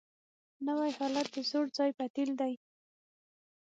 نوی حالت د زوړ ځای بدیل دی